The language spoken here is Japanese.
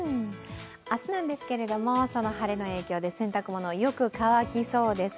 明日なんですけれども、その晴れの影響で、洗濯物、よく乾きそうです。